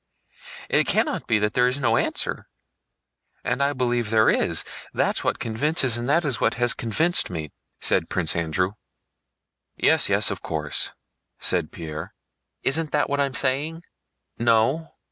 It cannot be that there is no answer. And I believe there is.... That's what convinces, that is what has convinced me," said Prince Andrew. "Yes, yes, of course," said Pierre, "isn't that what I'm saying?" "No.